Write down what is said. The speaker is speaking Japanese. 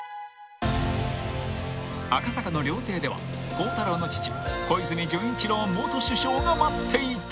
［赤坂の料亭では孝太郎の父小泉純一郎元首相が待っていた］